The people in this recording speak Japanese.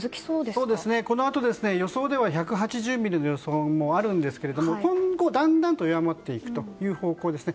このあと、予想では１８０ミリの予想もあるんですが今後、だんだんと弱まっていく方向ですね。